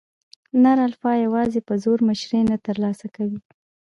نر الفا یواځې په زور مشري نه تر لاسه کوي.